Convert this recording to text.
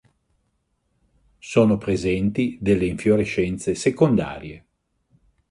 Sono presenti delle infiorescenze secondarie.